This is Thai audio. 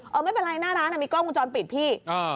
ไม่เป็นไรหน้าร้านมีกล้องวงจรปิดพี่